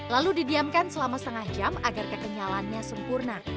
lalu didiamkan selama setengah jam agar kekenyalannya sempurna